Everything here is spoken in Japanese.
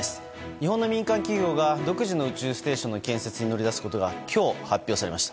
日本の民間企業が独自の宇宙ステーションの建設に乗り出すことが今日、発表されました。